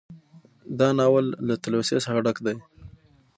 دا ناول له تلوسې څخه ډک دى